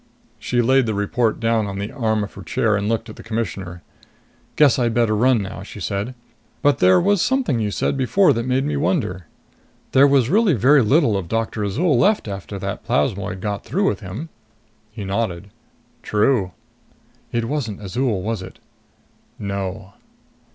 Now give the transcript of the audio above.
She laid the report down on the arm of her chair and looked at the Commissioner. "Guess I'd better run now," she said. "But there was something you said before that made me wonder. There was really very little of Doctor Azol left after that plasmoid got through with him." He nodded. "True." "It wasn't Azol, was it?" "No."